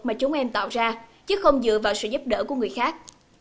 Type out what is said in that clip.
mà chúng em tạo ra chứ không dựa vào sự giúp đỡ của người khác